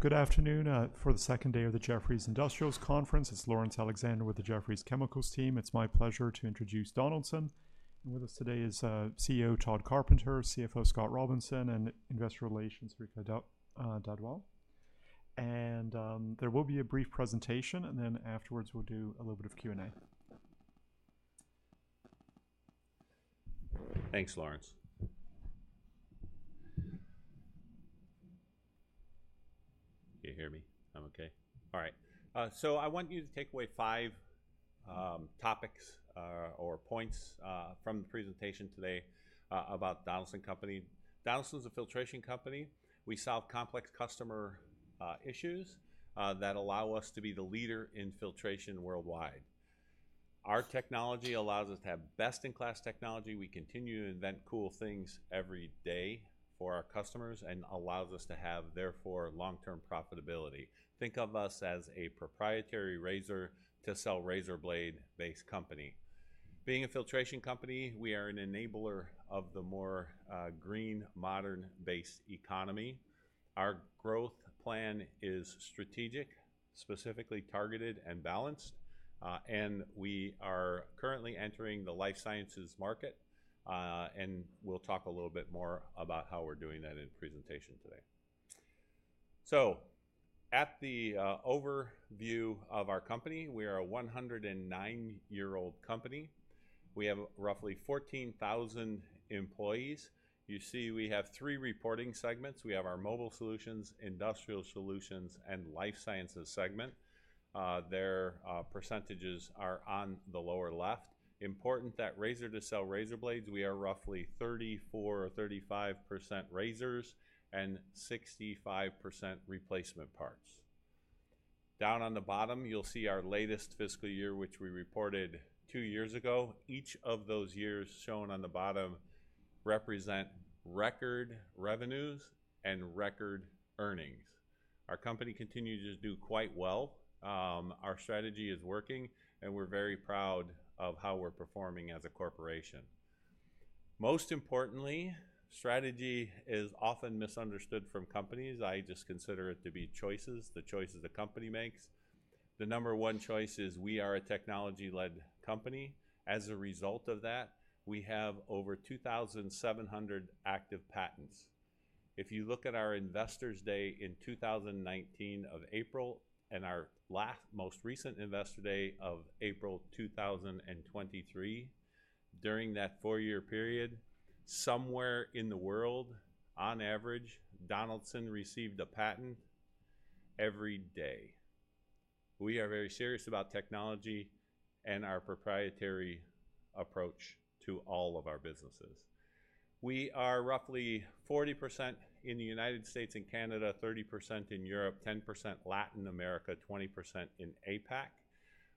Good afternoon for the second day of the Jefferies Industrials Conference. It's Laurence Alexander with the Jefferies Chemicals team. It's my pleasure to introduce Donaldson, and with us today is CEO Todd Carpenter, CFO Scott Robinson, and Investor Relations Sarika Dhadwal. There will be a brief presentation, and then afterwards, we'll do a little bit of Q&A. Thanks, Laurence. Can you hear me? I'm okay? All right, so I want you to take away five topics or points from the presentation today about Donaldson Company. Donaldson's a filtration company. We solve complex customer issues that allow us to be the leader in filtration worldwide. Our technology allows us to have best-in-class technology. We continue to invent cool things every day for our customers and allows us to have, therefore, long-term profitability. Think of us as a proprietary razor to sell razor blade-based company. Being a filtration company, we are an enabler of the more green modern-based economy. Our growth plan is strategic, specifically targeted, and balanced, and we are currently entering the life sciences market, and we'll talk a little bit more about how we're doing that in presentation today. At the overview of our company, we are a 109-year-old company. We have roughly 14,000 employees. You see, we have 3 reporting segments. We have our Mobile Solutions, Industrial Solutions, and Life Sciences segment. Their percentages are on the lower left. Important, that razor to sell razorblades, we are roughly 34% or 35% razors and 65% replacement parts. Down on the bottom, you'll see our latest fiscal year, which we reported two years ago. Each of those years shown on the bottom represent record revenues and record earnings. Our company continues to do quite well. Our strategy is working, and we're very proud of how we're performing as a corporation. Most importantly, strategy is often misunderstood from companies. I just consider it to be choices, the choices the company makes. The number one choice is we are a technology-led company. As a result of that, we have over 2,700 active patents. If you look at our Investor Day in April 2019, and our most recent Investor Day of April 2023, during that four-year period, somewhere in the world, on average, Donaldson received a patent every day. We are very serious about technology and our proprietary approach to all of our businesses. We are roughly 40% in the United States and Canada, 30% in Europe, 10% Latin America, 20% in APAC.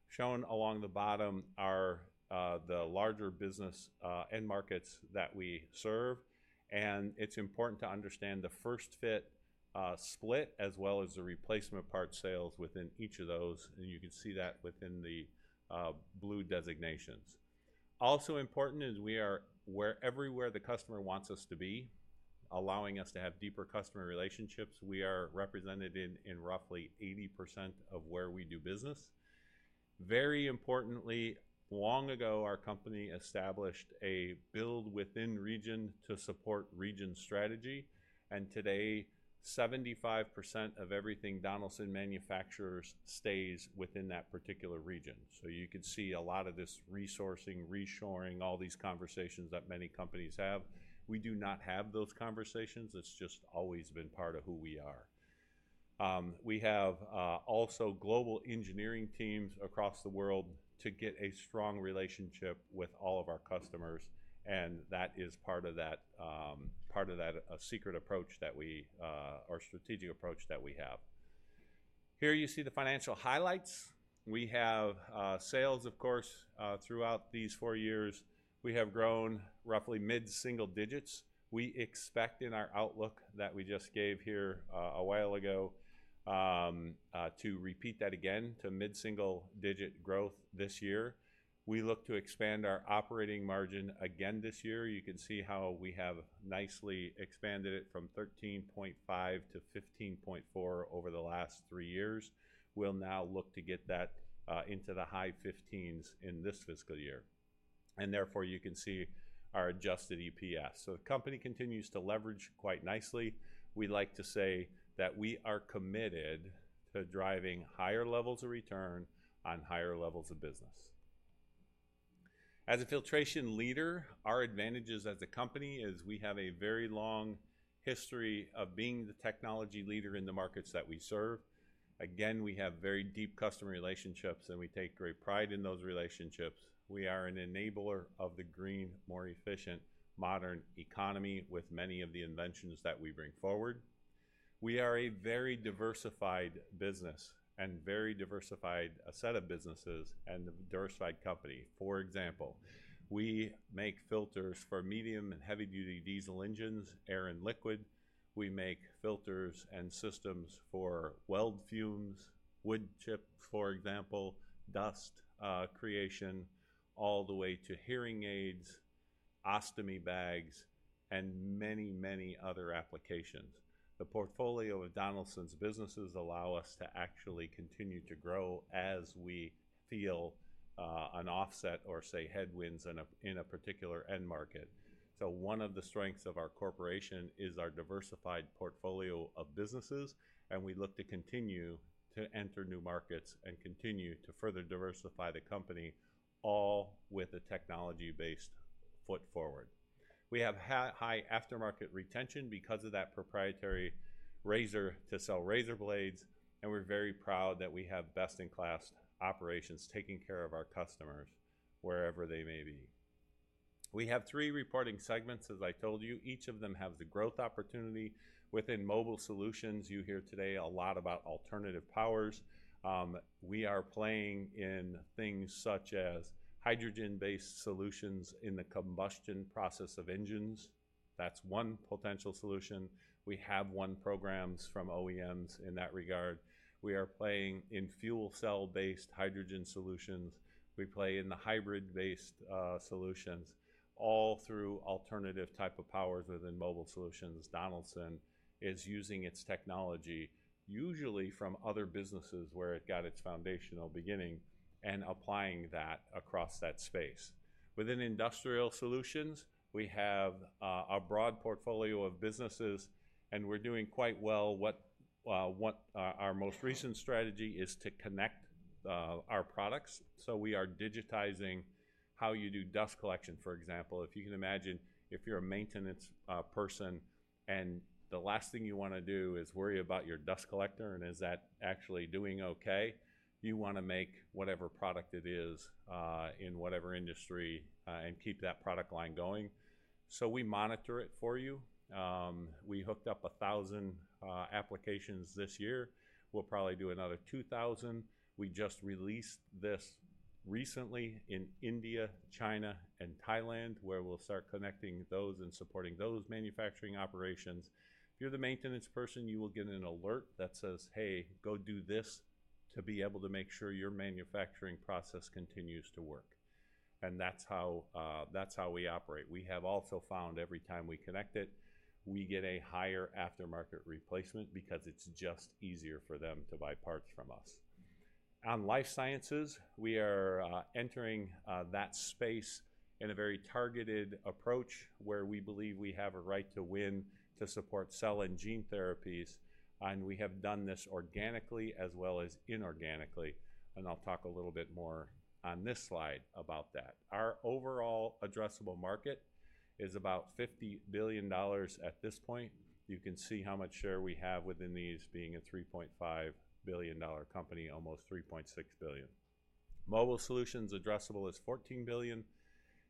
Shown along the bottom are the larger business end markets that we serve, and it's important to understand the first-fit split, as well as the replacement part sales within each of those, and you can see that within the blue designations. Also important is we are everywhere the customer wants us to be, allowing us to have deeper customer relationships. We are represented in roughly 80% of where we do business. Very importantly, long ago, our company established a build within region to support region strategy, and today, 75% of everything Donaldson manufacturers stays within that particular region. So you can see a lot of this resourcing, reshoring, all these conversations that many companies have. We do not have those conversations. It's just always been part of who we are. We have also global engineering teams across the world to get a strong relationship with all of our customers, and that is part of that strategic approach that we have. Here you see the financial highlights. We have sales, of course, throughout these four years. We have grown roughly mid-single-digits. We expect in our outlook that we just gave here a while ago to repeat that again, to mid-single-digit growth this year. We look to expand our operating margin again this year. You can see how we have nicely expanded it from 13.5-15.4 over the last three years. We'll now look to get that into the high 15s in this fiscal year, and therefore, you can see our adjusted EPS, so the company continues to leverage quite nicely. We like to say that we are committed to driving higher levels of return on higher levels of business. As a filtration leader, our advantages as a company is we have a very long history of being the technology leader in the markets that we serve. Again, we have very deep customer relationships, and we take great pride in those relationships. We are an enabler of the green, more efficient, modern economy, with many of the inventions that we bring forward. We are a very diversified business and very diversified set of businesses and a diversified company. For example, we make filters for medium and heavy-duty diesel engines, air and liquid. We make filters and systems for weld fumes, wood chip, for example, dust creation, all the way to hearing aids, ostomy bags, and many, many other applications. The portfolio of Donaldson's businesses allow us to actually continue to grow as we feel an offset or, say, headwinds in a particular end market. So one of the strengths of our corporation is our diversified portfolio of businesses, and we look to continue to enter new markets and continue to further diversify the company, all with a technology-based foot forward. We have high aftermarket retention because of that proprietary razor to sell razor blades, and we're very proud that we have best-in-class operations taking care of our customers wherever they may be. We have three reporting segments, as I told you. Each of them have the growth opportunity. Within Mobile Solutions, you hear today a lot about alternative powers. We are playing in things such as hydrogen-based solutions in the combustion process of engines. That's one potential solution. We have won programs from OEMs in that regard. We are playing in fuel cell-based hydrogen solutions. We play in the hybrid-based solutions, all through alternative type of powers within Mobile Solutions. Donaldson is using its technology, usually from other businesses where it got its foundational beginning, and applying that across that space. Within Industrial Solutions, we have a broad portfolio of businesses, and we're doing quite well. Our most recent strategy is to connect our products, so we are digitizing how you do dust collection, for example. If you can imagine, if you're a maintenance person, and the last thing you wanna do is worry about your dust collector and is that actually doing okay, you wanna make whatever product it is in whatever industry, and keep that product line going. So we monitor it for you. We hooked up a thousand applications this year. We'll probably do another 2,000. We just released this recently in India, China, and Thailand, where we'll start connecting those and supporting those manufacturing operations. If you're the maintenance person, you will get an alert that says, "Hey, go do this," to be able to make sure your manufacturing process continues to work, and that's how we operate. We have also found every time we connect it, we get a higher aftermarket replacement because it's just easier for them to buy parts from us. On Life Sciences, we are entering that space in a very targeted approach, where we believe we have a right to win to support cell and gene therapies, and we have done this organically as well as inorganically, and I'll talk a little bit more on this slide about that. Our overall addressable market is about $50 billion at this point. You can see how much share we have within these, being a $3.5 billion company, almost $3.6 billion. Mobile Solutions addressable is $14 billion,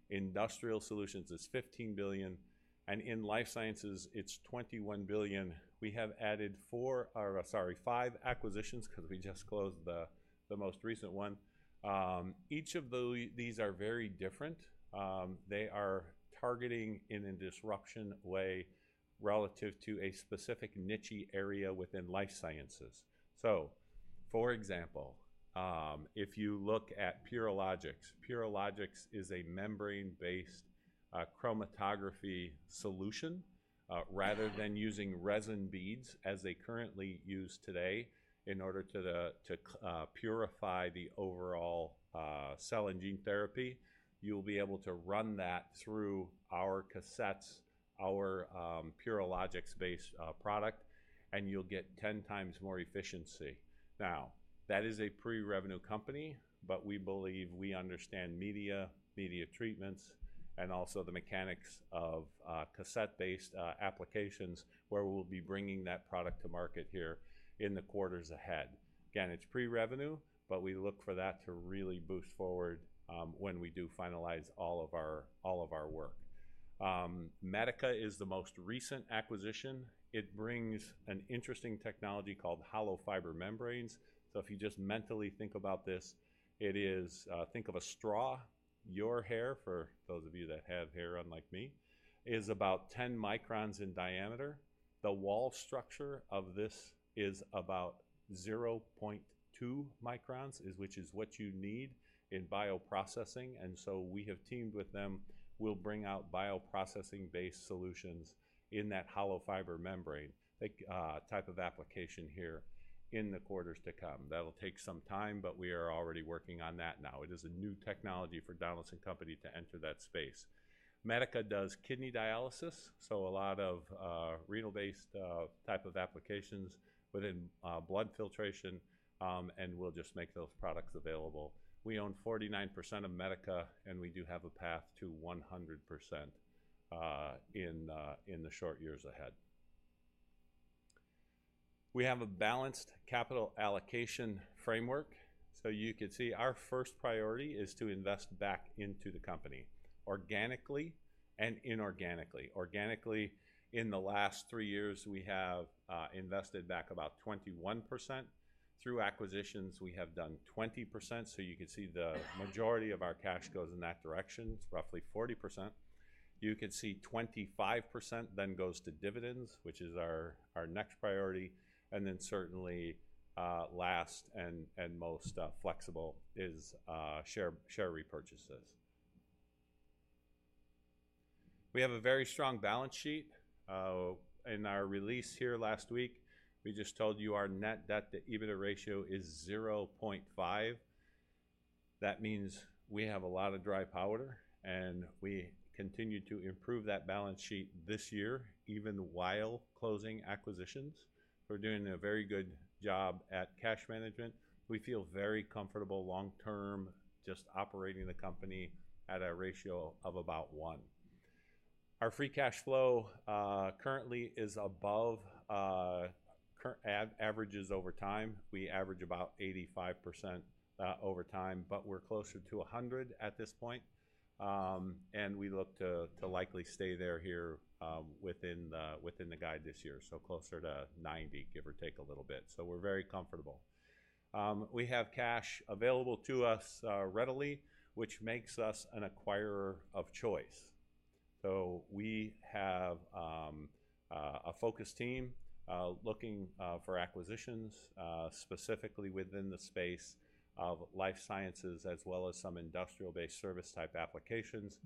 Industrial Solutions is $15 billion, and in Life Sciences, it's $21 billion. We have added four... or sorry, five acquisitions 'cause we just closed the most recent one. Each of these are very different. They are targeting in a disruption way relative to a specific niche-y area within life sciences. So, for example, if you look at Purilogics, Purilogics is a membrane-based chromatography solution. Rather than using resin beads, as they currently use today, in order to the, to purify the overall cell and gene therapy, you'll be able to run that through our cassettes, our Purilogics-based product, and you'll get 10x more efficiency. Now, that is a pre-revenue company, but we believe we understand media, media treatments, and also the mechanics of cassette-based applications, where we'll be bringing that product to market here in the quarters ahead. Again, it's pre-revenue, but we look for that to really boost forward when we do finalize all of our work. Medica is the most recent acquisition. It brings an interesting technology called hollow fiber membranes. So if you just mentally think about this, it is think of a straw. Your hair, for those of you that have hair, unlike me, is about 10 microns in diameter. The wall structure of this is about 0.2 microns, which is what you need in bioprocessing, and so we have teamed with them. We'll bring out bioprocessing-based solutions in that hollow fiber membrane, like, type of application here in the quarters to come. That'll take some time, but we are already working on that now. It is a new technology for Donaldson Company to enter that space. Medica does kidney dialysis, so a lot of renal-based type of applications within blood filtration, and we'll just make those products available. We own 49% of Medica, and we do have a path to 100% in the short years ahead. We have a balanced capital allocation framework. So you can see our first priority is to invest back into the company, organically and inorganically. Organically, in the last three years, we have invested back about 21%. Through acquisitions, we have done 20%, so you can see the majority of our cash goes in that direction. It's roughly 40%. You can see 25% then goes to dividends, which is our next priority, and then certainly last and most flexible is share repurchases. We have a very strong balance sheet. In our release here last week, we just told you our net debt to EBITDA ratio is 0.5. That means we have a lot of dry powder, and we continue to improve that balance sheet this year, even while closing acquisitions. We're doing a very good job at cash management. We feel very comfortable long-term, just operating the company at a ratio of about 1. Our free cash flow currently is above averages over time. We average about 85% over time, but we're closer to 100% at this point. And we look to likely stay there here within the guide this year, so closer to 90%, give or take a little bit. So we're very comfortable. We have cash available to us readily, which makes us an acquirer of choice. So we have a focus team looking for acquisitions specifically within the space of Life Sciences, as well as some industrial-based service type applications.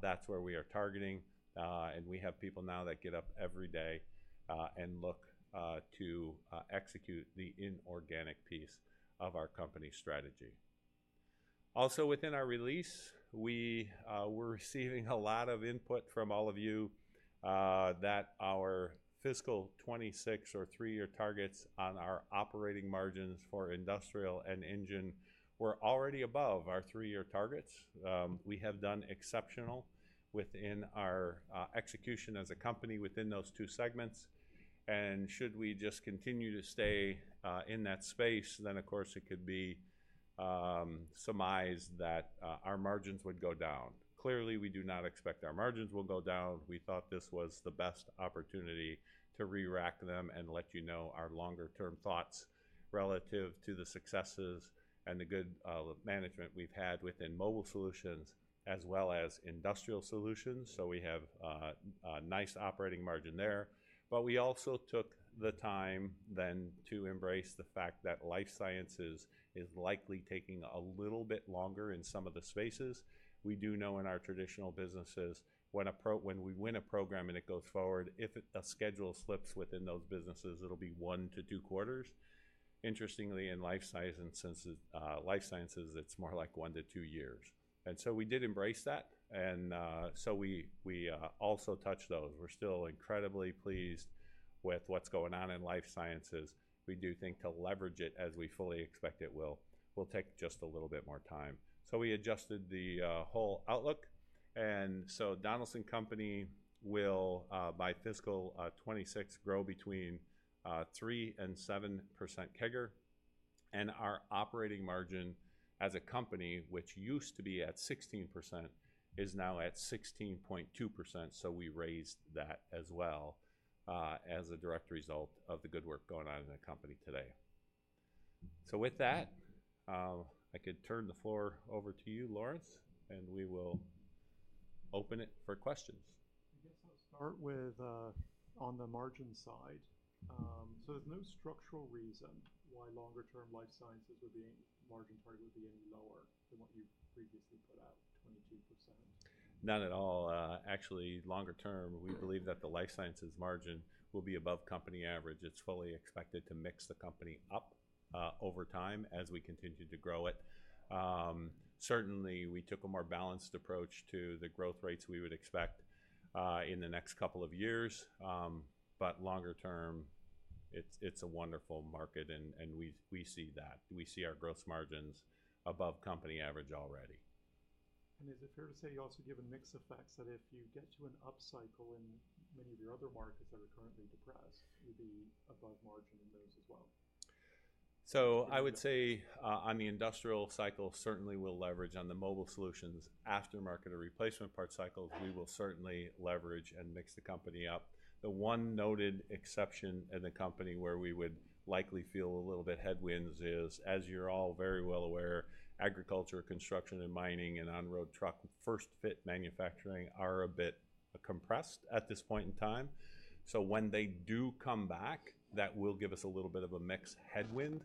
That's where we are targeting, and we have people now that get up every day and look to execute the inorganic piece of our company strategy. Also, within our release, we We're receiving a lot of input from all of you that our Fiscal 2026 or three-year targets on our operating margins for Industrial and Engine were already above our three-year targets. We have done exceptional within our execution as a company within those two segments, and should we just continue to stay in that space, then, of course, it could be surmised that our margins would go down. Clearly, we do not expect our margins will go down. We thought this was the best opportunity to re-rack them and let you know our longer-term thoughts relative to the successes and the good management we've had within Mobile Solutions, as well as Industrial Solutions. So we have a nice operating margin there. But we also took the time then to embrace the fact that Life Sciences is likely taking a little bit longer in some of the spaces. We do know in our traditional businesses, when we win a program and it goes forward, if a schedule slips within those businesses, it'll be one to two quarters. Interestingly, in Life Sciences, it's more like one to two years. And so we did embrace that, and so we also touched those. We're still incredibly pleased with what's going on in Life Sciences. We do think to leverage it as we fully expect it will take just a little bit more time. So we adjusted the whole outlook, and so Donaldson Company will by Fiscal 2026 grow between 3% and 7% CAGR, and our operating margin as a company, which used to be at 16%, is now at 16.2%. So we raised that as well as a direct result of the good work going on in the company today. So with that, I could turn the floor over to you, Laurence, and we will open it for questions. I guess I'll start with on the margin side. So there's no structural reason why longer-term Life Sciences would be, margin target would be any lower than what you previously put out, 22%? Not at all. Actually, longer-term, we believe that the Life Sciences margin will be above company average. It's fully expected to mix the company up, over time as we continue to grow it. Certainly, we took a more balanced approach to the growth rates we would expect, in the next couple of years. But longer term, it's a wonderful market and we see that. We see our gross margins above company average already. Is it fair to say you also give a mix effect, that if you get to an upcycle in many of your other markets that are currently depressed, you'd be above margin in those as well? I would say on the industrial cycle, certainly we'll leverage. On the Mobile Solutions aftermarket or replacement part cycles, we will certainly leverage and mix the company up. The one noted exception in the company where we would likely feel a little bit headwinds is, as you're all very well aware, agriculture, construction, and mining, and on-road truck first-fit manufacturing are a bit compressed at this point in time. When they do come back, that will give us a little bit of a mix headwind.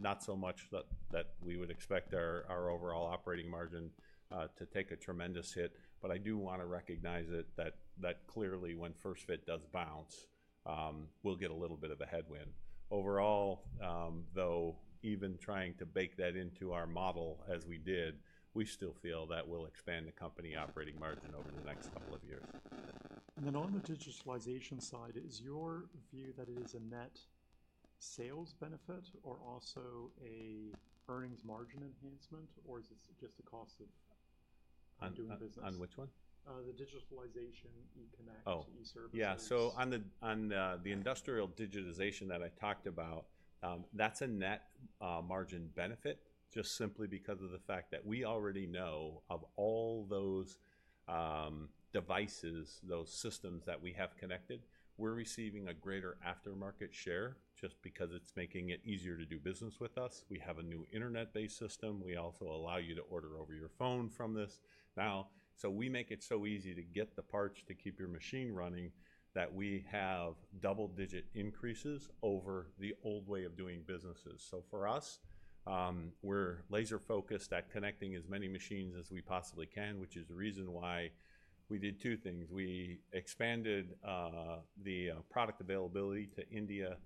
Not so much that we would expect our overall operating margin to take a tremendous hit, but I do wanna recognize it that clearly when first-fit does bounce, we'll get a little bit of a headwind. Overall, though, even trying to bake that into our model as we did, we still feel that we'll expand the company operating margin over the next couple of years. And then on the digitalization side, is your view that it is a net sales benefit or also an earnings margin enhancement, or is this just a cost of- On, on- -doing business? On which one? The digitalization- Oh, yeah. So on the industrial digitization that I talked about, that's a net margin benefit, just simply because of the fact that we already know of all those devices, those systems that we have connected. We're receiving a greater aftermarket share just because it's making it easier to do business with us. We have a new internet-based system. We also allow you to order over your phone from this now. So we make it so easy to get the parts to keep your machine running, that we have double-digit increases over the old way of doing businesses. So for us, we're laser-focused at connecting as many machines as we possibly can, which is the reason why we did two things: We expanded the product availability to India,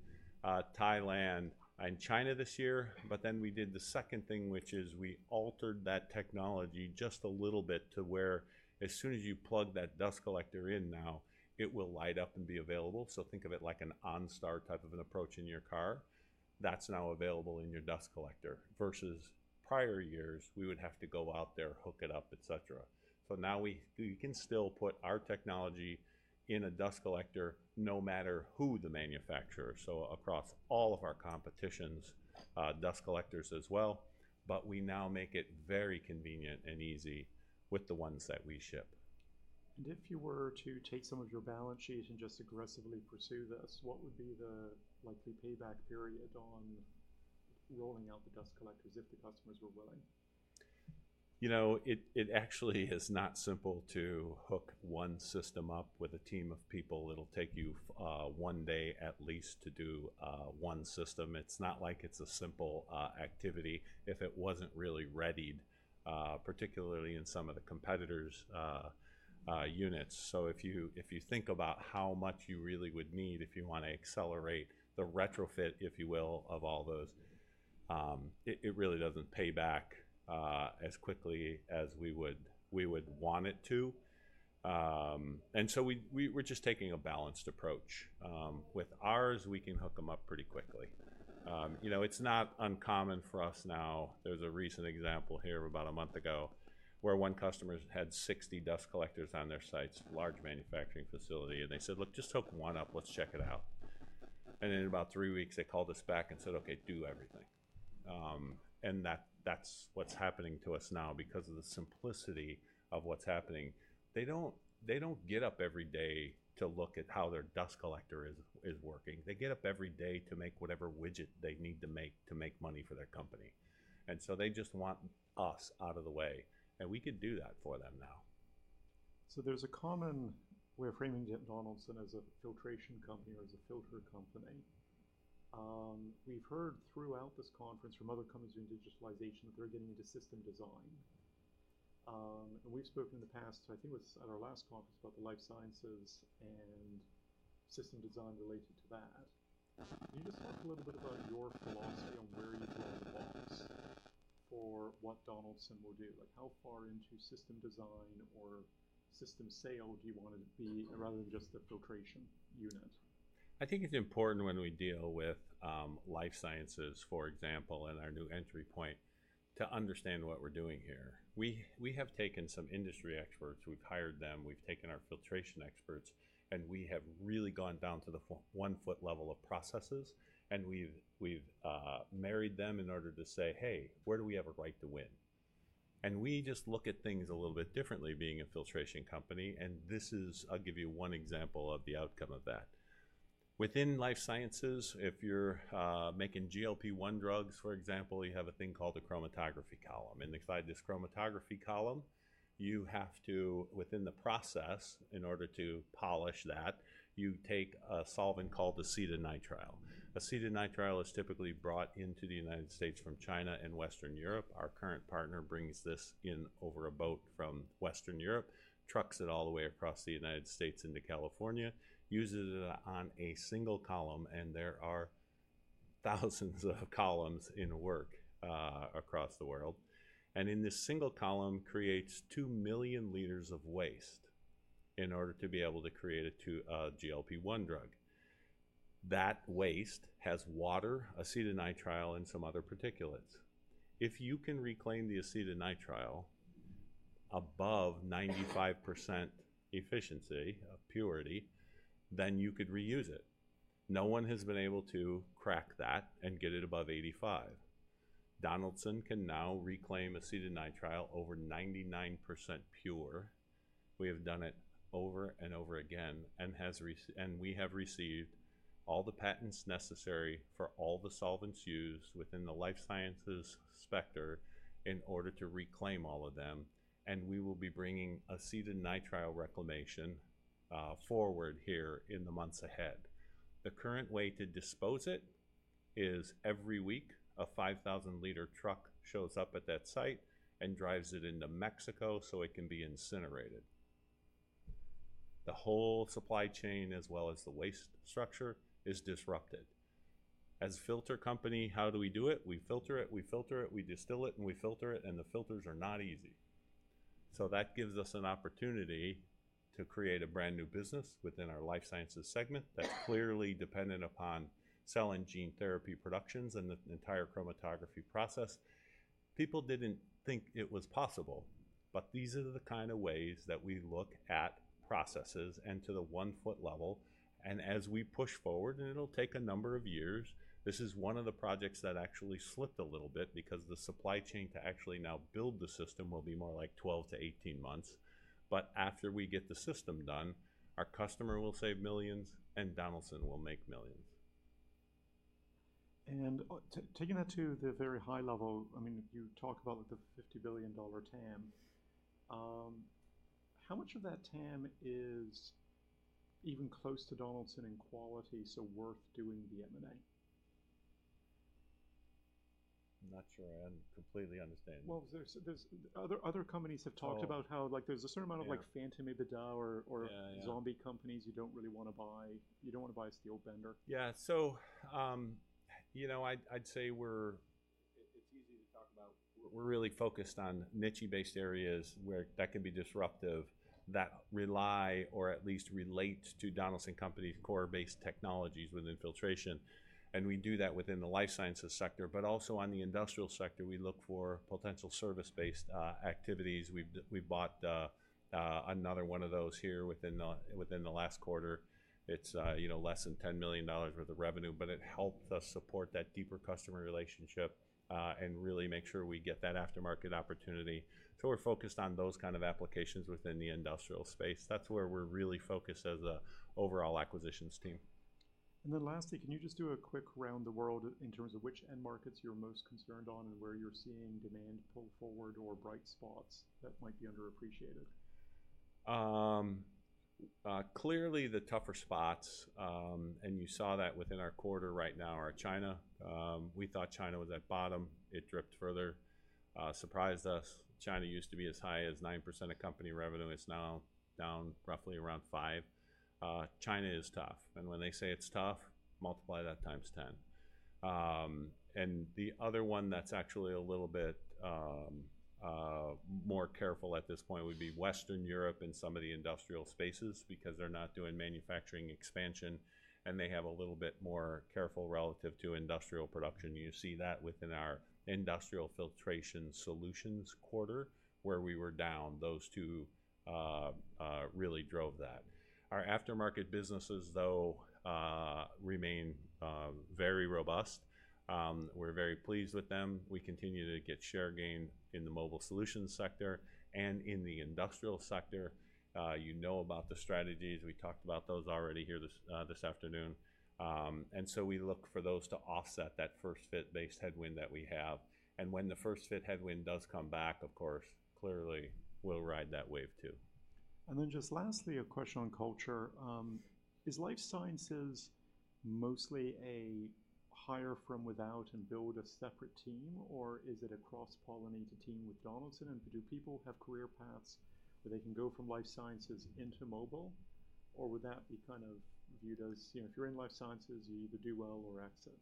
Thailand, and China this year. But then we did the second thing, which is we altered that technology just a little bit to where as soon as you plug that dust collector in now, it will light up and be available. So think of it like an OnStar type of an approach in your car. That's now available in your dust collector, versus prior years, we would have to go out there, hook it up, et cetera. So now we—you can still put our technology in a dust collector, no matter who the manufacturer, so across all of our competition's dust collectors as well, but we now make it very convenient and easy with the ones that we ship. If you were to take some of your balance sheet and just aggressively pursue this, what would be the likely payback period on rolling out the dust collectors if the customers were willing? You know, it actually is not simple to hook one system up with a team of people. It'll take you one day at least to do one system. It's not like it's a simple activity if it wasn't really readied, particularly in some of the competitors' units. So if you think about how much you really would need if you wanna accelerate the retrofit, if you will, of all those, it really doesn't pay back as quickly as we would want it to. And so we're just taking a balanced approach. With ours, we can hook them up pretty quickly. You know, it's not uncommon for us now... There was a recent example here about a month ago, where one customer had sixty dust collectors on their sites, large manufacturing facility, and they said: "Look, just hook one up. Let's check it out." And in about three weeks, they called us back and said, "Okay, do everything." And that's what's happening to us now because of the simplicity of what's happening. They don't get up every day to look at how their dust collector is working. They get up every day to make whatever widget they need to make to make money for their company, and so they just want us out of the way, and we could do that for them now. So there's a common way of framing Donaldson as a filtration company or as a filter company. We've heard throughout this conference from other companies doing digitalization that they're getting into system design. And we've spoken in the past, I think it was at our last conference, about the Life Sciences and system design related to that. Can you just talk a little bit about your philosophy on where you draw the box for what Donaldson will do? Like, how far into system design or system sale do you want to be, rather than just the filtration unit? I think it's important when we deal with Life Sciences, for example, and our new entry point, to understand what we're doing here. We have taken some industry experts, we've hired them, we've taken our filtration experts, and we have really gone down to the one-foot level of processes, and we've married them in order to say, "Hey, where do we have a right to win?" And we just look at things a little bit differently, being a filtration company, and this is... I'll give you one example of the outcome of that. Within life sciences, if you're making GLP-1 drugs, for example, you have a thing called a chromatography column, and inside this chromatography column, you have to, within the process, in order to polish that, you take a solvent called acetonitrile. Acetonitrile is typically brought into the United States from China and Western Europe. Our current partner brings this in over a boat from Western Europe, trucks it all the way across the United States into California, uses it on a single column, and there are thousands of columns in work across the world, and in this single column creates 2 million liters of waste in order to be able to create a GLP-1 drug. That waste has water, acetonitrile, and some other particulates. If you can reclaim the acetonitrile above 95% efficiency of purity, then you could reuse it. No one has been able to crack that and get it above 85%. Donaldson can now reclaim acetonitrile over 99% pure. We have done it over and over again, and we have received all the patents necessary for all the solvents used within the Life Sciences sector in order to reclaim all of them, and we will be bringing acetonitrile reclamation forward here in the months ahead. The current way to dispose it is every week, a 5,000-liter truck shows up at that site and drives it into Mexico so it can be incinerated. The whole supply chain, as well as the waste structure, is disrupted. As a filter company, how do we do it? We filter it, we filter it, we distill it, and we filter it, and the filters are not easy. So that gives us an opportunity to create a brand-new business within our Life Sciences segment that's clearly dependent upon selling gene therapy productions and the entire chromatography process. People didn't think it was possible, but these are the kind of ways that we look at processes and to the one-foot level, and as we push forward, and it'll take a number of years, this is one of the projects that actually slipped a little bit because the supply chain to actually now build the system will be more like 12-18 months, but after we get the system done, our customer will save millions, and Donaldson will make millions. Taking that to the very high level, I mean, you talk about the $50 billion TAM. How much of that TAM is even close to Donaldson in quality, so worth doing the M&A? I'm not sure I completely understand. There’s other companies have talked about- So- how, like, there's a certain amount of Yeah like, phantom EBITDA or Yeah, yeah Zombie companies you don't really wanna buy. You don't wanna buy a steel bender. Yeah. So, you know, I'd say we're. It's easy to talk about we're really focused on niche-based areas where that can be disruptive, that rely or at least relate to Donaldson Company's core-based technologies with filtration, and we do that within the Life Sciences sector. But also on the Industrial sector, we look for potential service-based activities. We've bought another one of those here within the last quarter. It's, you know, less than $10 million worth of revenue, but it helped us support that deeper customer relationship, and really make sure we get that aftermarket opportunity. So we're focused on those kind of applications within the industrial space. That's where we're really focused as a overall acquisitions team. And then lastly, can you just do a quick round the world in terms of which end markets you're most concerned on and where you're seeing demand pull forward or bright spots that might be underappreciated? Clearly, the tougher spots, and you saw that within our quarter right now, are China. We thought China was at bottom. It dipped further, surprised us. China used to be as high as 9% of company revenue. It's now down roughly around 5%. China is tough, and when they say it's tough, multiply that x10. And the other one that's actually a little bit more careful at this point would be Western Europe and some of the industrial spaces because they're not doing manufacturing expansion, and they have a little bit more careful relative to industrial production. You see that within our Industrial Filtration Solutions quarter, where we were down. Those two really drove that. Our aftermarket businesses, though, remain very robust. We're very pleased with them. We continue to get share gain in the Mobile Solutions sector and in the Industrial sector. You know about the strategies. We talked about those already here this afternoon. And so we look for those to offset that first-fit based headwind that we have. And when the first-fit headwind does come back, of course, clearly, we'll ride that wave, too. Then just lastly, a question on culture. Is Life Sciences mostly a hire from without and build a separate team, or is it a cross-pollinated team with Donaldson? Do people have career paths where they can go from Life Sciences into Mobile, or would that be kind of viewed as, you know, if you're in Life Sciences, you either do well or exit?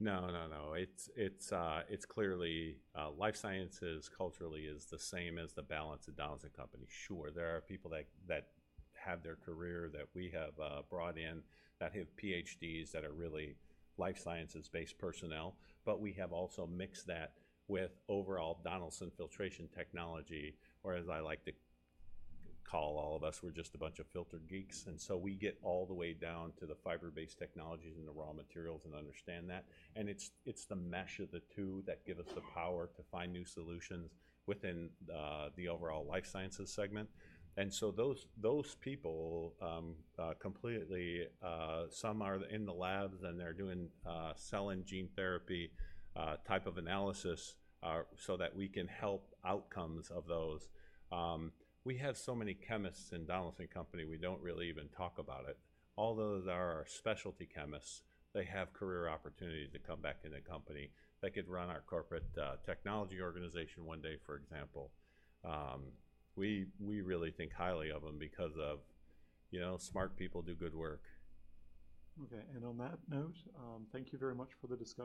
No, no, no. It's clearly Life Sciences, culturally, is the same as the balance of Donaldson Company. Sure, there are people that have their career that we have brought in, that have PhDs, that are really Life Sciences-based personnel, but we have also mixed that with overall Donaldson filtration technology. Or as I like to call all of us, we're just a bunch of filter geeks, and so we get all the way down to the fiber-based technologies and the raw materials and understand that. And it's the mesh of the two that give us the power to find new solutions within the overall Life Sciences segment. And so those people completely some are in the labs, and they're doing cell and gene therapy type of analysis, so that we can help outcomes of those. We have so many chemists in Donaldson Company, we don't really even talk about it. Although they are our specialty chemists, they have career opportunities to come back in the company. They could run our corporate, technology organization one day, for example. We really think highly of them because of, you know, smart people do good work. Okay, and on that note, thank you very much for the discussion.